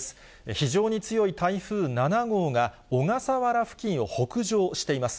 非常に強い台風７号が、小笠原付近を北上しています。